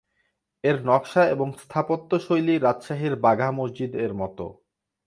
এর নকশা এবং স্থাপত্য শৈলী রাজশাহীর বাঘা মসজিদ এর মত।